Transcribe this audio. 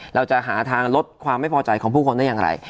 เราจะหาทางลดความไม่พอใจของผู้คนได้อย่างไร